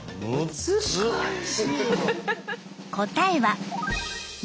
難しい。